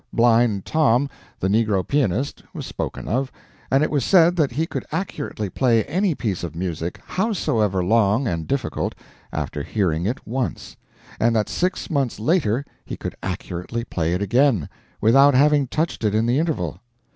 Blind Tom, the negro pianist, was spoken of, and it was said that he could accurately play any piece of music, howsoever long and difficult, after hearing it once; and that six months later he could accurately play it again, without having touched it in the interval.